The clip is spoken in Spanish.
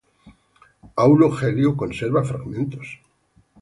Aulo Gelio conserva fragmentos.